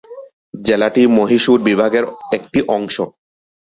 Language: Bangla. জেলাটি মহীশূর বিভাগের একটি অংশ।